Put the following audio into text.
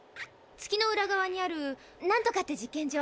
月の裏側にあるなんとかって実験場。